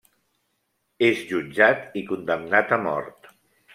És jutjat i condemnat a mort.